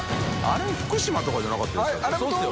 △譴福島とかじゃなかったでしたっけ？